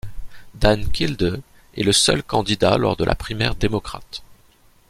Dan Kildee est le seul candidat lors de la primaire démocrate.